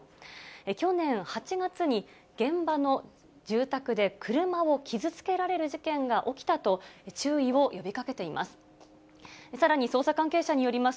去年８月に、現場の住宅で車を傷つけられる事件が起きたと、注意を呼びかけています。